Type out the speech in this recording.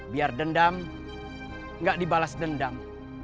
biar dendam nggak dibalas dendam